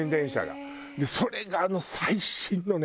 それが最新のね